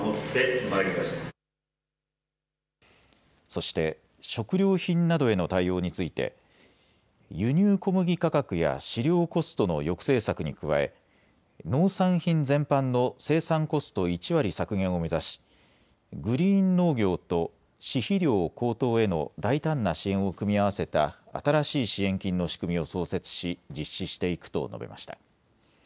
そして食料品などへの対応について輸入小麦価格や飼料コストの抑制策に加え農産品全般の生産コスト１割削減を目指しグリーン農業と飼・肥料高騰への大胆な支援を組み合わせた新しい支援金の仕組みを創設し実施していくと述べました。